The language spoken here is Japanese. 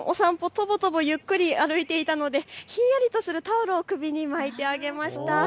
とぼとぼゆっくり歩いていたのでひんやりとするタオルを首に巻いてあげました。